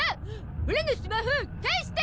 オラのスマホ返して！